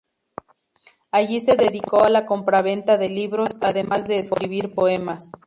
Allí se dedicó a la compraventa de libros, además de escribir poemas.